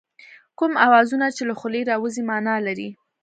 کوم اوازونه چې له خولې راوځي مانا لري